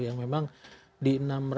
yang memang di enam ratus